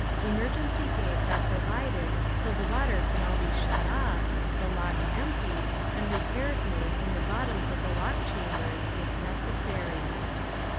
Emergency gates are provided so the water can all be shut off, the locks emptied and repairs made in the bottoms of the lock chambers, if necessary.